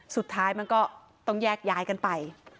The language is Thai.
สุดท้ายมันก็ต้องแยกย้ายกันไป